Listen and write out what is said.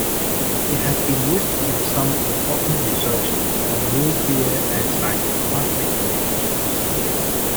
It has been used in some important research on nuclear and cytoplasmic relationships.